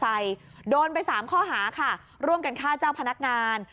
คนขี่มอเตอร์ไซค์โดนไปสามข้อหาค่ะร่วมกันฆ่าเจ้าพนักงาน